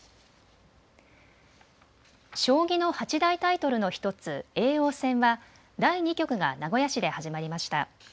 将棋の八大タイトルの１つ、叡王戦は第２局が名古屋市で始まりました。